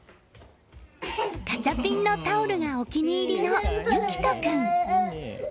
ガチャピンのタオルがお気に入りの幸杜君。